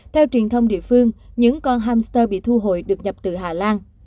theo truyền thông địa phương những con hamster bị thu hồi được nhập từ hà lan